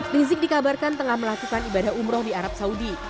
rizik dikabarkan tengah melakukan ibadah umroh di arab saudi